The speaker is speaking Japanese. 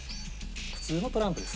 普通のトランプです。